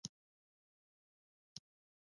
څنګه کولی شم د ماشومانو لپاره د پل صراط کیسه وکړم